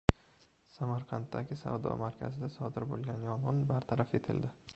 Samarqanddagi savdo markazida sodir bo‘lgan yong‘in bartaraf etildi